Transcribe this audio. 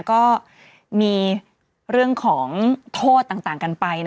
ก็มีเรื่องของโทษต่างกันไป